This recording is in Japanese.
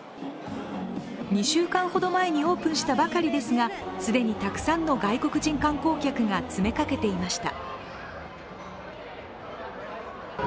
２週間ほど前にオープンしたばかりですがすでにたくさんの外国人観光客が詰めかけていました。